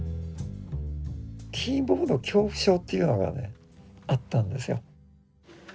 キーボード恐怖症というのがねあったんですよ。